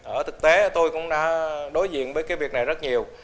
ở thực tế tôi cũng đã đối diện với cái việc này rất nhiều